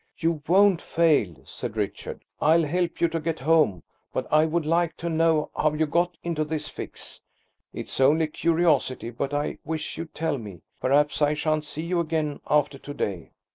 "You won't fail," said Richard. "I'll help you to get home; but I would like to know how you got into this fix. It's only curiosity. But I wish you'd tell me. Perhaps I shan't see you again after to day."